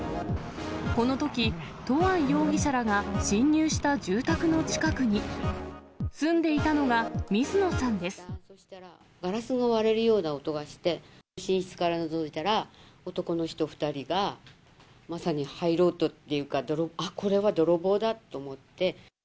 このとき、トアン容疑者らが侵入した住宅の近くに住んでいたのが水野さんでガラスが割れるような音がして、寝室からのぞいたら男の人２人がまさに入ろうというか、あっ、これは泥棒だと思って。